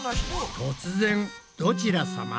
突然どちらさま？